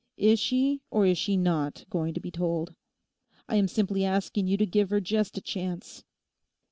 Is she, or is she not going to be told? I am simply asking you to give her just a chance.